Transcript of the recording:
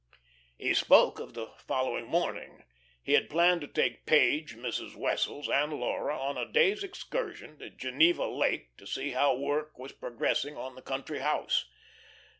He spoke of the following morning. He had planned to take Page, Mrs. Wessels, and Laura on a day's excursion to Geneva Lake to see how work was progressing on the country house.